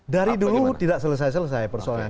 dari dulu tidak selesai selesai persoalan